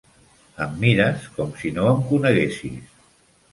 Em mires com si no em coneguessis.